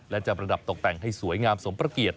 และจะประดับตกแต่งให้สวยงามสมประเกียรติ